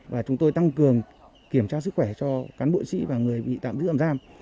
và chúng tôi tăng cường kiểm tra sức khỏe cho cán bộ sĩ và người bị tạm giữ ẩm giam